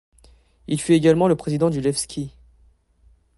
Il fut également le président du Levski.